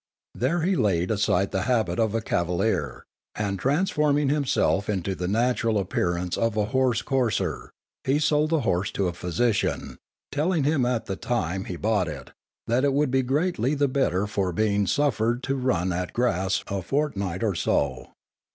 There he laid aside the habit of a cavalier, and transforming himself into the natural appearance of a horse courser, he sold the horse to a physician, telling him at the time he bought it, that it would be greatly the better for being suffered to run at grass a fortnight or so.